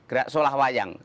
gerak solah wayang